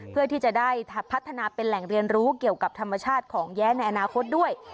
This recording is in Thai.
เพื่อที่จะได้พัฒนาเป็นแหล่งเรียนรู้เกี่ยวกับธรรมชาติของแย้ในอนาคตด้วย